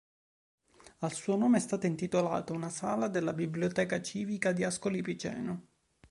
Al suo nome è stata intitolata una sala della Biblioteca civica di Ascoli Piceno.